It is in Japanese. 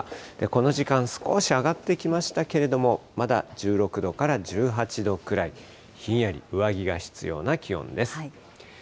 この時間、少し上がってきましたけれども、まだ１６度から１８度くらい、ひんやり、上着が必要な気温です。